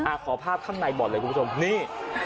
ขอภาพข้างในบ่อนเลยคุณผู้ชมนี่